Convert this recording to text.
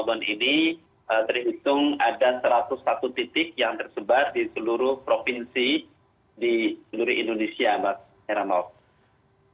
pada tahun ini terhitung ada satu ratus satu titik yang tersebar di seluruh provinsi di seluruh indonesia pak heramau